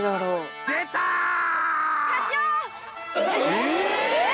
えっ！